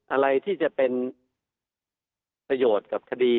อะไรที่จะเป็นประโยชน์กับคดี